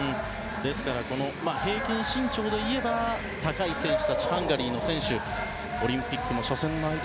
ですから平均身長でいえば高いハンガリーの選手オリンピックの初戦の相手